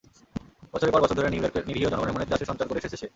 বছরের পর বছর ধরে নিউ ইয়র্কের নিরীহ জনগণের মনে ত্রাসের সঞ্চার করে এসেছে সে।